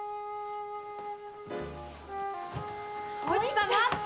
おいちさん待って！